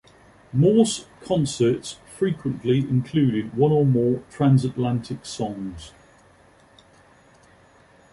Morse' concerts frequently included one or more Transatlantic songs.